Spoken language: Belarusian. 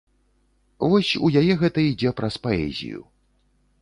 Вось у яе гэта ідзе праз паэзію.